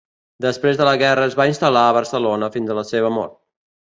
Després de la guerra es va instal·lar a Barcelona fins a la seva mort.